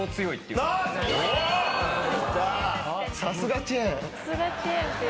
さすがチェーン。